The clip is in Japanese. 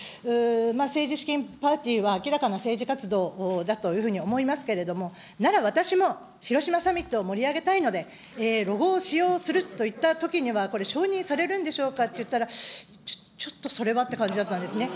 政治資金パーティーは、明らかな政治活動だというふうに思いますけれども、なら、私も広島サミットを盛り上げたいので、ロゴを使用するといったときには、これ、承認されるんでしょうかって言ったら、ちょっとそれはという感じだったんですね。